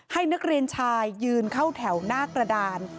ให้นักเรียนชายยืนเข้าแถวหน้ากระดาน